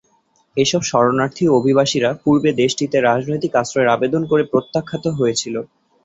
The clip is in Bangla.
এসব শরণার্থী ও অভিবাসীরা পূর্বে দেশটিতে রাজনৈতিক আশ্রয়ের আবেদন করে প্রত্যাখ্যাত হয়েছিল।